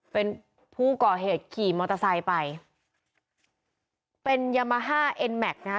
เป็นผู้ก่อเหตุขี่มอเตอร์ไซค์ไปเป็นยามาฮ่าเอ็นแม็กซ์นะคะ